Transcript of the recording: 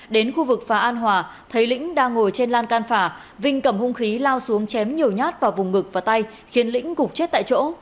đến khu vực phà an hòa thấy lĩnh đang ngồi trên lan can phà vinh cầm hung khí lao xuống chém nhiều nhát vào vùng ngực và tay khiến lĩnh gục chết tại chỗ